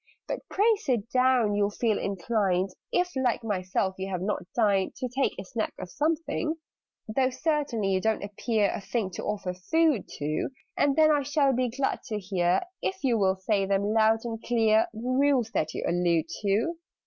But pray sit down: you'll feel inclined (If, like myself, you have not dined) To take a snack of something: "Though, certainly, you don't appear A thing to offer food to! And then I shall be glad to hear If you will say them loud and clear The Rules that you allude to."